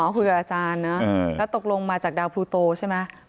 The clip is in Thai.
คุยกับอาจารย์นะแล้วตกลงมาจากดาวพลูโตใช่ไหม